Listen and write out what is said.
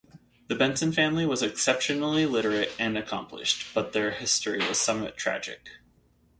The Benson family was exceptionally literate and accomplished, but their history was somewhat tragic.